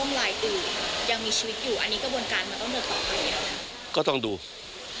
อันนี้กระบวนการมันต้องเดินต่อไปอย่างไร